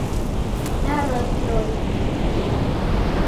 Narwa vilole